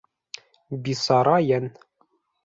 Бисара йән.